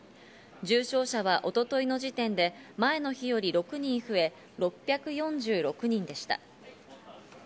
重症者は一昨日の時点で前の日より６人増え６４６人でした。